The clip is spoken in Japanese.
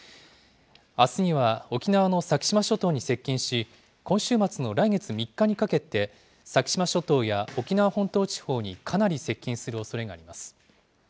あすには、沖縄の先島諸島に接近し、今週末の来月３日にかけて、先島諸島や沖縄本島地方にかなり接近するおそれがあります。